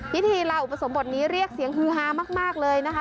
พิธีลาอุปสมบทนี้เรียกเสียงฮือฮามากเลยนะคะ